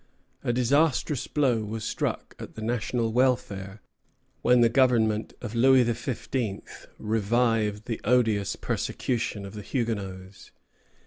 A disastrous blow was struck at the national welfare when the Government of Louis XV. revived the odious persecution of the Huguenots.